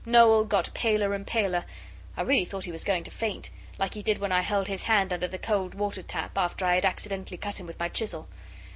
Noel got paler and paler; I really thought he was going to faint, like he did when I held his hand under the cold water tap, after I had accidentally cut him with my chisel.